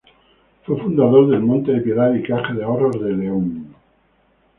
Fue fundador del Monte de Piedad y Caja de Ahorros de León.